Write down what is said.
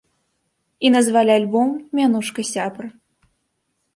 І назвалі альбом мянушкай сябра.